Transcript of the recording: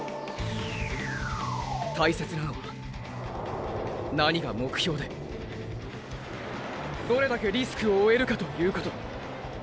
大切なのは何が目標でーーどれだけリスクを負えるかということ。